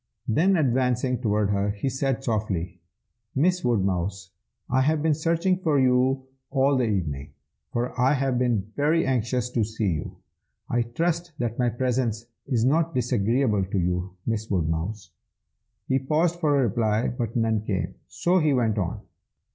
Then advancing toward her, he said softly, 'Miss Woodmouse. I have been searching for you all the evening, for I have been very anxious to see you. I trust that my presence is not disagreeable to you, Miss Woodmouse?' He paused for a reply, but none came, so he went on.